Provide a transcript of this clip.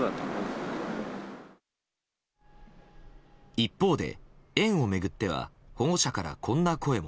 一方で、園を巡っては保護者からこんな声が。